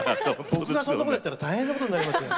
僕がそんなことやったら大変なことになりますよ。